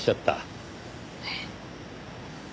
えっ？